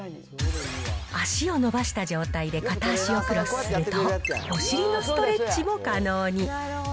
足を伸ばした状態で片足をクロスすると、お尻のストレッチも可能に。